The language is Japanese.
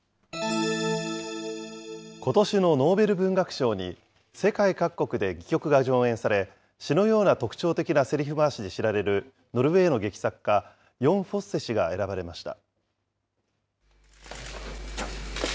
ことしのノーベル文学賞に、世界各国で戯曲が上演され、詩のような特徴的なせりふ回しで知られるノルウェーの劇作家、ヨン・フォッセ氏が選ばれました。